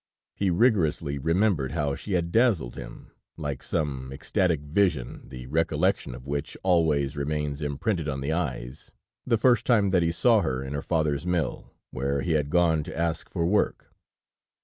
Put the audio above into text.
He religiously rememberd how she had dazzled him like some ecstastic vision, the recollection of which always remains imprinted on the eyes the first time that he saw her in her father's mill, where he had gone to ask for work.